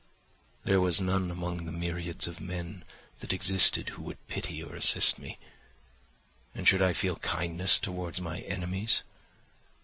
There was none among the myriads of men that existed who would pity or assist me; and should I feel kindness towards my enemies?